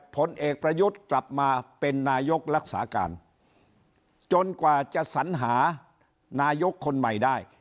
ผลเอกประยุทธ์กลับมาเป็นนายกรักษาการจนกว่าจะสัญหานายกคนใหม่ได้